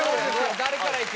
誰から行く？